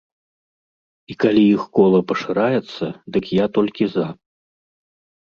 І калі іх кола пашыраецца, дык я толькі за.